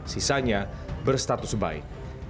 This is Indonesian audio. sisanya berstatus baik